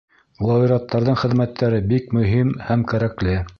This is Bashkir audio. Лауреаттарҙың хеҙмәттәре бик мөһим һәм кәрәкле.